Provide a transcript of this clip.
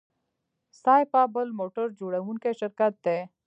سایپا بل موټر جوړوونکی شرکت دی.